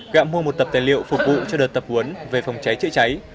gạ mua một tập tài liệu phục vụ cho đợt tập huấn về phòng cháy chữa cháy